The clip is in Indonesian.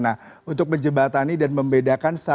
nah untuk menjebatani dan membedakan